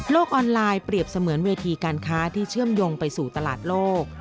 ออนไลน์เปรียบเสมือนเวทีการค้าที่เชื่อมโยงไปสู่ตลาดโลก